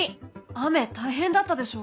雨大変だったでしょ？